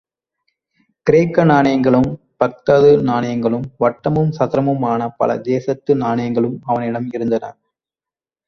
கிரேக்க நாணயங்களும், பாக்தாது நாணயங்களும், வட்டமும் சதுரமுமான பல தேசத்து நாணயங்களும் அவனிடம் இருந்தன.